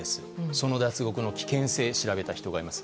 その脱獄の危険性を調べた人がいます。